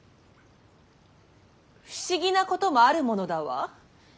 不思議なこともあるものだわ。